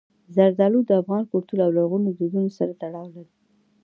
زردالو د افغان کلتور او لرغونو دودونو سره تړاو لري.